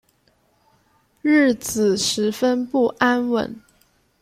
日子十分不安稳